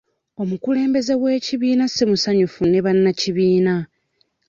Omukulembeze w'ekibiina simusanyufu ne bannakibiina.